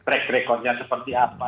rek rekodnya seperti apa